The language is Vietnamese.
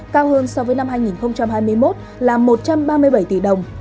cao hơn so với năm hai nghìn hai mươi một là một trăm ba mươi bảy tỷ đồng